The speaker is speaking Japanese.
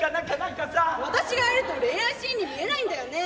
私がやると恋愛シーンに見えないんだよね。